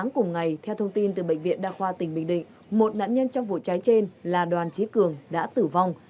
cùng ngày theo thông tin từ bệnh viện đa khoa tỉnh bình định một nạn nhân trong vụ cháy trên là đoàn trí cường đã tử vong